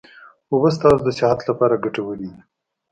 اوبه ستاسو د صحت لپاره ګټوري دي